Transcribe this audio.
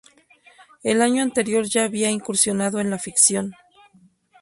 El año anterior ya había incursionado en la ficción.